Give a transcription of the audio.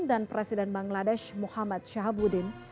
dan presiden bangladesh muhammad shahabudin